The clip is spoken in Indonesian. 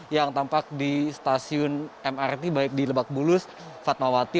yang tampak di stasiun mrt baik di lebak bulus fatmawati